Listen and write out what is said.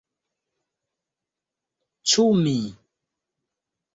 - Ĉu mi?